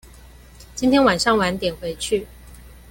今天晚上晚點回去